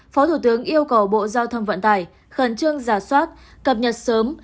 phó thủ tướng yêu cầu bộ giao thông vận tải khẩn trương giả soát cập nhật sớm